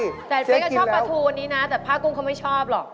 แต่เป๊กชอบปลาทูอันนี้นะแต่ผ้ากุ้งเขาไม่ชอบหรอก